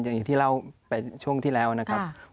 อย่างที่เล่าไปช่วงที่แล้วนะครับ